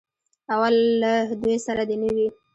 او له دوی سره دې نه وي.